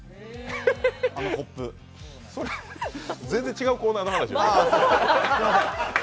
全然違うコーナーの話やね。